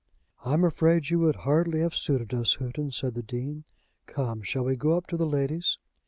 "I am afraid you would hardly have suited us, Houghton," said the Dean. "Come, shall we go up to the ladies?"